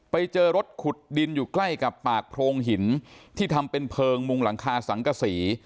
ไปเจอรถขุดดินอยู่ใกล้กับปากโพรงหินที่ทำเป็นเพลิงมุงหลังคาสังกษี